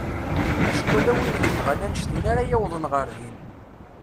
Acku ala win yebɣan annect-nni ara yawḍen ɣer din.